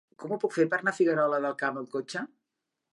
Com ho puc fer per anar a Figuerola del Camp amb cotxe?